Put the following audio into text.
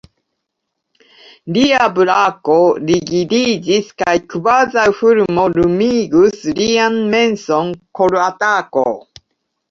Lia brako rigidiĝis kaj kvazaŭ fulmo lumigus lian menson koratako.